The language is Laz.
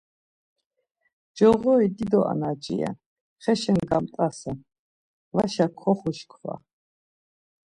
Coğori dido anaç̌i ren, xeşen gamt̆asen, vaşa koxuşkva.